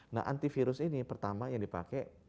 nah antivirus ini pertama yang dipakai